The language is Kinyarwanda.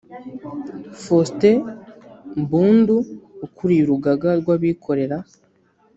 Faustin Mbundu ukuriye Urugaga rw’abikorera